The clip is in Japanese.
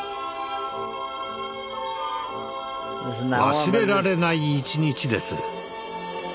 忘れられない一日です。